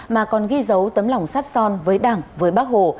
mà còn ghi dấu tấm lòng sát son với đảng với bác hồ